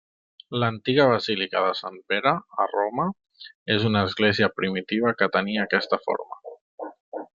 L'antiga basílica de Sant Pere a Roma és una església primitiva que tenia aquesta forma.